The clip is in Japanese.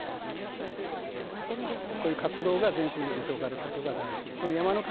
広がってるんですね。